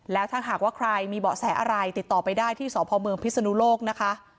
แล้วถ้าหากว่าใครมีเบาะแสอะไรติดต่อไปได้ที่สพเมืองพิศนุโลกนะคะ